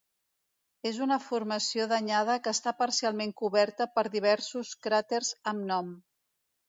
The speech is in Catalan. És una formació danyada que està parcialment coberta per diversos cràters amb nom.